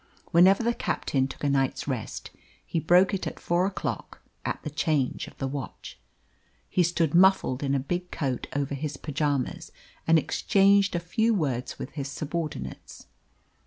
Whenever the captain took a night's rest, he broke it at four o'clock, at the change of the watch. He stood muffled in a big coat over his pyjamas, and exchanged a few words with his subordinates.